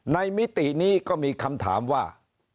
มิตินี้ก็มีคำถามว่า